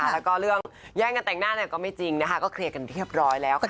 แล้วก็เรื่องแย่งกันแต่งหน้าอะไรก็ไม่จริงนะคะก็เคลียร์กันเรียบร้อยแล้วค่ะ